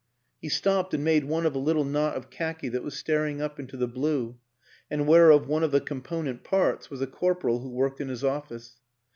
He stopped and made one of a little knot of khaki that was staring up into the blue, and whereof one of the component parts was a corporal who worked in his office.